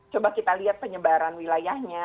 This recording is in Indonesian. coba kita lihat penyebaran wilayahnya